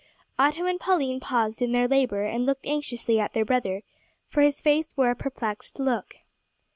Otto and Pauline paused in their labour, and looked anxiously at their brother, for his face wore a perplexed look.